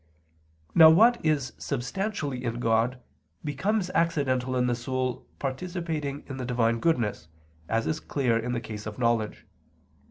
Now what is substantially in God, becomes accidental in the soul participating the Divine goodness, as is clear in the case of knowledge.